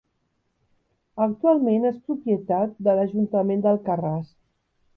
Actualment és propietat de l'Ajuntament d'Alcarràs.